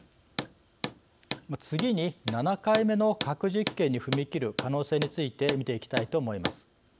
次に、７回目の核実験に踏み切る可能性について見ていきたいと思います。